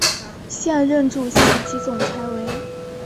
现任主席及总裁为。